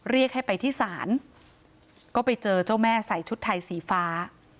เรียกให้ไปที่ศาลก็ไปเจอเจ้าแม่ใส่ชุดไทยสีฟ้า